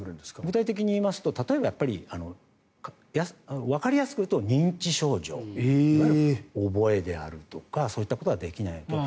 具体的に言いますと例えばわかりやすく言うと認知症状いわゆる覚えであるとかそういったことができないとか。